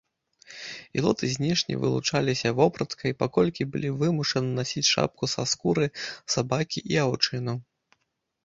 Ілоты знешне вылучаліся вопраткай, паколькі былі вымушаны насіць шапку са скуры сабакі і аўчыну.